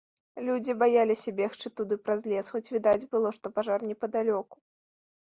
Людзі баяліся бегчы туды праз лес, хоць відаць было, што пажар непадалёку.